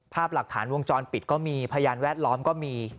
ภาพหลักฐานวงจรปิดก็มีพยานแวดล้อมก็มี